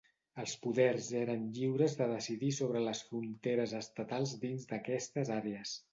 Els poders eren lliures de decidir sobre les fronteres estatals dins d'aquestes àrees.